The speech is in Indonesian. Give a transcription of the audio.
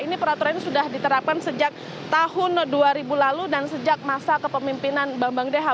ini peraturan ini sudah diterapkan sejak tahun dua ribu lalu dan sejak masa kepemimpinan bambang deha